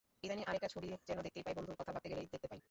ইদানীং আরেকটা ছবি যেন দেখতে পাই, বন্ধুর কথা ভাবতে গেলেই দেখতে পাই।